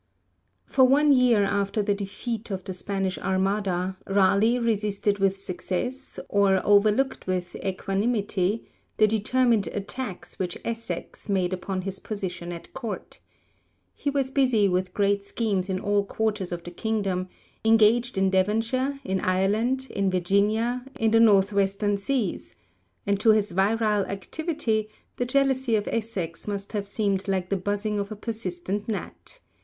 For one year after the defeat of the Spanish Armada, Raleigh resisted with success, or overlooked with equanimity, the determined attacks which Essex made upon his position at Court. He was busy with great schemes in all quarters of the kingdom, engaged in Devonshire, in Ireland, in Virginia, in the north western seas, and to his virile activity the jealousy of Essex must have seemed like the buzzing of a persistent gnat.